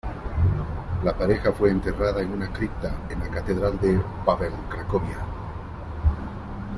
La pareja fue enterrada en una cripta en la catedral de Wawel, Cracovia.